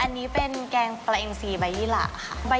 อันนี้เป็นแกงปลาเอ็มซีใบยี่หละค่ะ